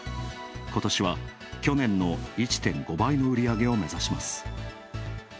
ことしは去年の１．５倍の売り上げを目指します。